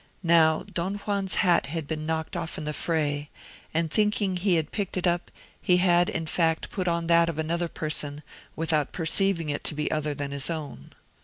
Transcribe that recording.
Now, Don Juan's hat had been knocked off in the fray, and thinking he had picked it up, he had in fact put on that of another person, without perceiving it to be other than his own.